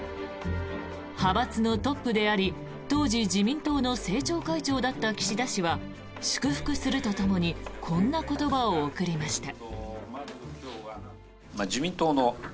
派閥のトップであり当時、自民党の政調会長だった岸田氏は祝福するとともにこんな言葉を贈りました。